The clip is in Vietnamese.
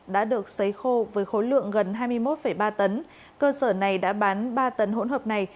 và giấy khô với khối lượng gần hai mươi một ba tấn cơ sở này đã bán ba tấn hỗn hợp này